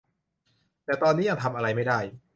แต่ตอนนี้ยังทำอะไรไม่ได้